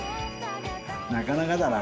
なかなかだな